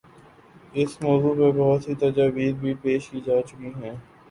اس موضوع پہ بہت سی تجاویز بھی پیش کی جا چکی ہیں۔